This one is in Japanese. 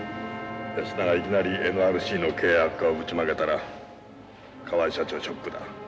安田がいきなりＮＲＣの経営悪化をぶちまけたら河合社長はショックだ。